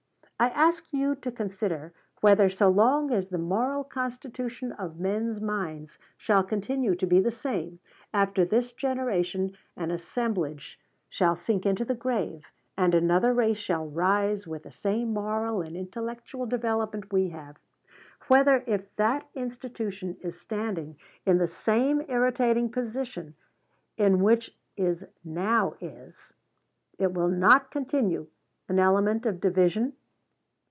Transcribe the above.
I ask you to consider whether, so long as the moral constitution of men's minds shall continue to be the same, after this generation and assemblage shall sink into the grave and another race shall arise with the same moral and intellectual development we have, whether, if that institution is standing in the same irritating position in which is now is, it will not continue an element of division?